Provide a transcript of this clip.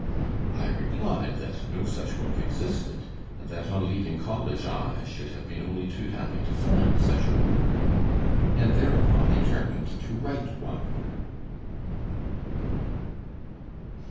I replied that no such book existed, and that on leaving college I should have been only too happy to find such a work; and thereupon determined to write one.